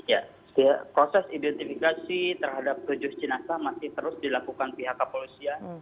ya proses identifikasi terhadap tujuh jenazah masih terus dilakukan pihak kepolisian